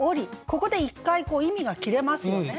ここで一回意味が切れますよね。